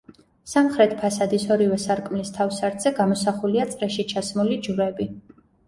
სამხრეთ ფასადის ორივე სარკმლის თავსართზე გამოსახულია წრეში ჩასმული ჯვრები.